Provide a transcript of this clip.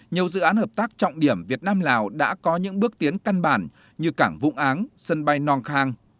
nhiều dự án hợp tác trọng điểm việt nam lào đã có những bước tiến căn bản như cảng vũng áng sân bay nong khang